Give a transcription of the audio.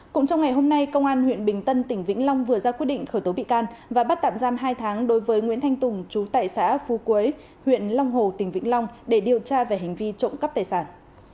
cũng trong ngày hôm nay công an huyện bình tân tỉnh vĩnh long vừa ra quyết định khởi tố bị can và bắt tạm giam hai tháng đối với nguyễn thanh tùng chú tại xã phú quế huyện long hồ tỉnh vĩnh long để điều tra về hành vi trộm cắp tài sản